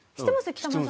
北村さん。